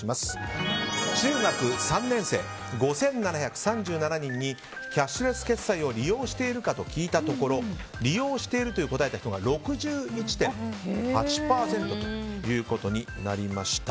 中学３年生、５７３２人にキャッシュレス決済を利用しているかと聞いたところ利用していると答えた人が６１．８％となりました。